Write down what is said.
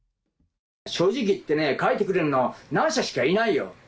正直言ってね、書いてくれるのは、何社しかいないよ。